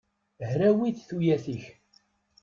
Hrawit tuyat-ik!